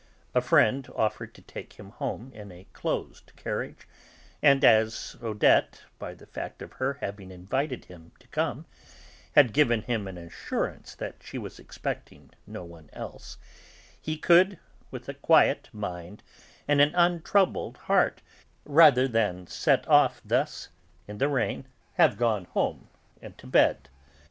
A friend offered to take him home in a closed carriage, and as Odette, by the fact of her having invited him to come, had given him an assurance that she was expecting no one else, he could, with a quiet mind and an untroubled heart, rather than set off thus in the rain, have gone home and to bed.